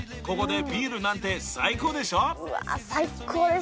ここでビールなんて最高でしょ！